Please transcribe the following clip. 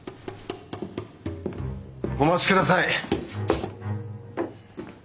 お待ちください！